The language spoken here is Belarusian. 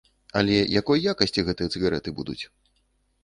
Але якой якасці гэтыя цыгарэты будуць?